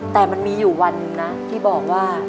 แต่มันมีอยู่วันหนึ่งนะที่บอกว่า